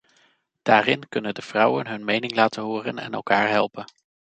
Daarin kunnen de vrouwen hun mening laten horen en elkaar helpen.